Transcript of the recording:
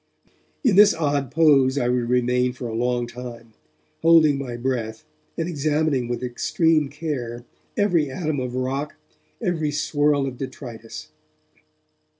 In this odd pose I would remain for a long time, holding my breath and examining with extreme care every atom of rock, every swirl of detritus.